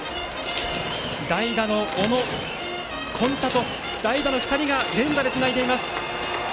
代打の小野、今田と代打の２人が連打でつないでいます。